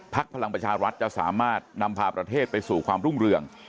พลังประชารัฐจะสามารถนำพาประเทศไปสู่ความรุ่งเรือง